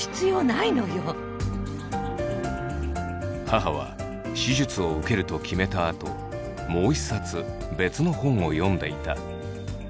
母は手術を受けると決めたあともう１冊別の本を読んでいた。